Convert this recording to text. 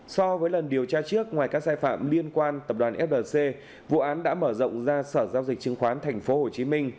so với lần điều tra trước ngoài các sai phạm liên quan tập đoàn flc vụ án đã mở rộng ra sở giao dịch chứng khoán tp hcm